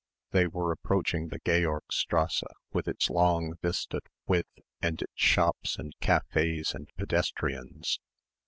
They were approaching the Georgstrasse with its long vistaed width and its shops and cafés and pedestrians.